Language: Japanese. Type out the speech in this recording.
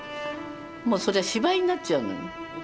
もうそれは芝居になっちゃうのよ。